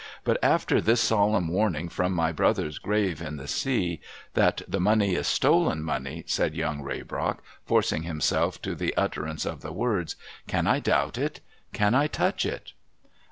But, after this solemn warning from my brother's grave in the sea, that the money is Stolen Money,' said Young Raybrock, forcing himself to the utterance of the words, 'can I doubt it? Can I touch it?